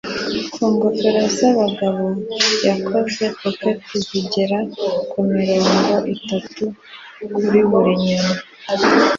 ku ngofero z'abagore, yakoze kopeck zigera kuri mirongo itatu kuri buri nyoni